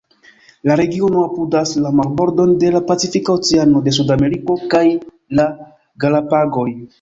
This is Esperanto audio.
La regiono apudas la marbordon de la Pacifika Oceano de Sudameriko kaj la Galapagoj.